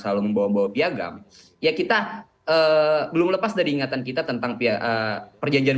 apakah mereka tertarik